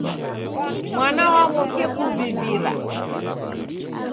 Mwana waw'okie kuvivira.